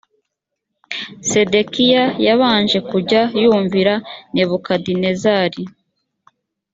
sedekiya yabanje kujya yumvira nebukadinezari